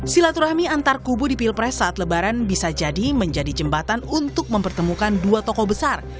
silaturahmi antar kubu di pilpres saat lebaran bisa jadi menjadi jembatan untuk mempertemukan dua tokoh besar